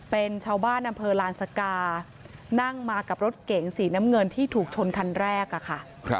เป็นชาวบ้านอำเภอลานสกานั่งมากับรถเก๋งสีน้ำเงินที่ถูกชนคันแรกค่ะ